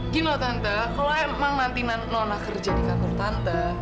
gini loh tante kalau emang nanti nona kerja di kantor tante